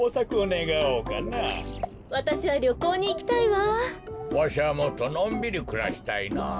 わしはもっとのんびりくらしたいなあ。